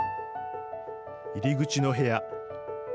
入り口の部屋。